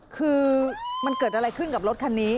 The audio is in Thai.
คือมันเกิดอะไรขึ้นกับรถคันนี้